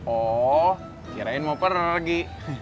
oh kirain mau pergi